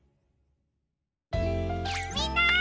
みんな！